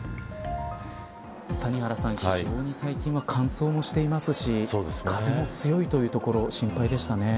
谷原さん、非常に最近は乾燥もしていますし風も強いというところ心配でしたね。